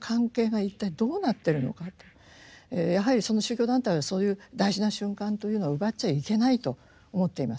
やはりその宗教団体はそういう大事な瞬間というのを奪っちゃいけないと思っています。